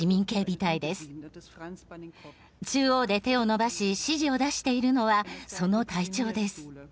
中央で手を伸ばし指示を出しているのはその隊長です。